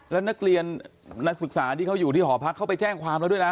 แล้วนักเรียนนักศึกษาที่เขาอยู่ที่หอพักเขาไปแจ้งความแล้วด้วยนะ